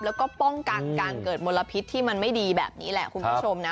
แล้วก็ป้องกันการเกิดมลพิษที่มันไม่ดีแบบนี้แหละคุณผู้ชมนะ